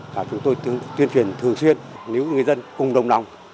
và chúng tôi tuyên truyền thường xuyên nếu người dân cùng đồng lòng